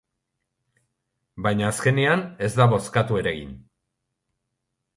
Baina azkenean ez da bozkatu ere egin.